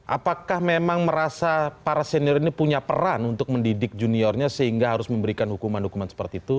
apakah memang merasa para senior ini punya peran untuk mendidik juniornya sehingga harus memberikan hukuman hukuman seperti itu